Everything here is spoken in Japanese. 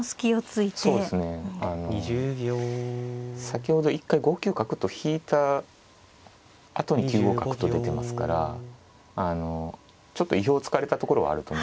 先ほど一回５九角と引いたあとに９五角と出てますからちょっと意表をつかれたところはあると思うんですね。